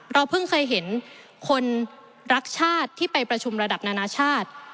เพิ่งเคยเห็นคนรักชาติที่ไปประชุมระดับนานาชาติ